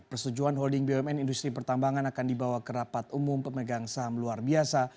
persetujuan holding bumn industri pertambangan akan dibawa ke rapat umum pemegang saham luar biasa